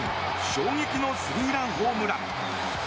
衝撃のスリーランホームラン。